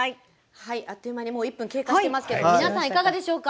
はいあっという間にもう１分経過してますけど皆さんいかがでしょうか？